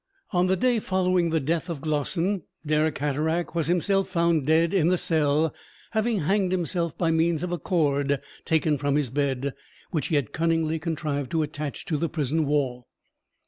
On the day following the death of Glossin, Dirck Hatteraick was himself found dead in the cell, having hanged himself by means of a cord taken from his bed, which he had cunningly contrived to attach to the prison wall.